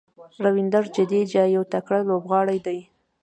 راوېندر جډیجا یو تکړه لوبغاړی دئ.